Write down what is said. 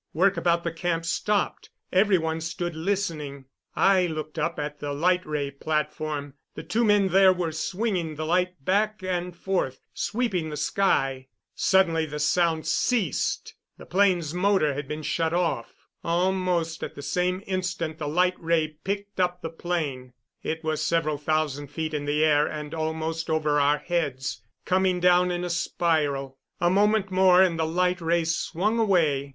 Work about the camp stopped; every one stood listening. I looked up at the light ray platform. The two men there were swinging the light back and forth, sweeping the sky. Suddenly the sound ceased; the plane's motor had been shut off. Almost at the same instant the light ray picked up the plane. It was several thousand feet in the air and almost over our heads, coming down in a spiral. A moment more and the light ray swung away.